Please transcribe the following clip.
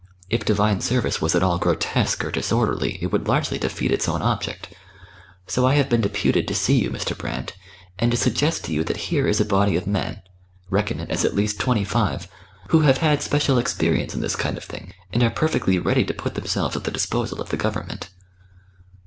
If Divine Service was at all grotesque or disorderly, it would largely defeat its own object. So I have been deputed to see you, Mr. Brand, and to suggest to you that here is a body of men reckon it as at least twenty five who have had special experience in this kind of thing, and are perfectly ready to put themselves at the disposal of the Government."